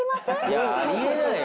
いやあり得ないよ。